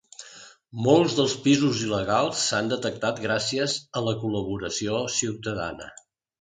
Molts dels pisos il·legals s’han detectat gràcies a la col·laboració ciutadana.